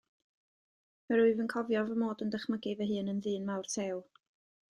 Yr wyf yn cofio fy mod yn dychmygu fy hun yn ddyn mawr tew.